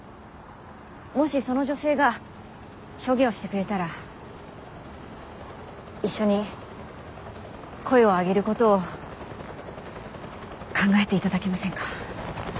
もしその女性が証言をしてくれたら一緒に声を上げることを考えて頂けませんか？